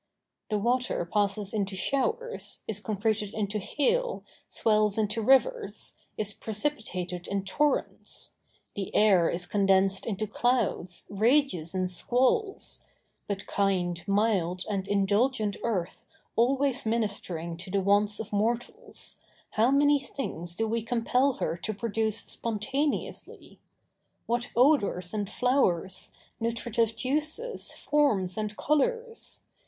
The water passes into showers, is concreted into hail, swells into rivers, is precipitated in torrents; the air is condensed into clouds, rages in squalls; but kind, mild, and indulgent earth, always ministering to the wants of mortals, how many things do we compel her to produce spontaneously! What odors and flowers, nutritive juices, forms and colors!